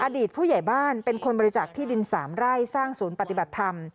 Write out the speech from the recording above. อดีตผู้ใหญ่บ้านเป็นคนบริจาคที่ดิน๓ไร่สร้างศูนย์ปฏิบัติธรรม